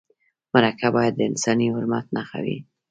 مرکه باید د انساني حرمت نښه وي.